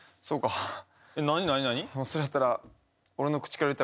それやったら。